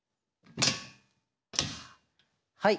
はい。